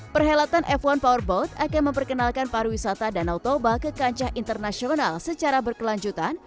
perhelatan f satu powerboat akan memperkenalkan pariwisata danau toba ke kancah internasional secara berkelanjutan